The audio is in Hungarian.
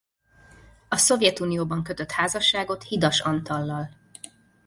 A Szovjetunióban kötött házasságot Hidas Antallal.